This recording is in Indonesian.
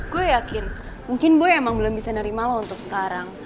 gue yakin mungkin gue emang belum bisa nerima lah untuk sekarang